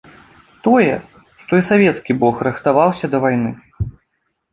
Тое, што і савецкі бок рыхтаваўся да вайны.